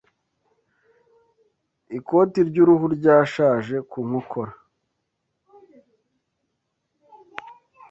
Ikoti ry'uruhu ryashaje ku nkokora